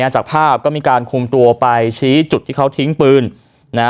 จากภาพก็มีการคุมตัวไปชี้จุดที่เขาทิ้งปืนนะฮะ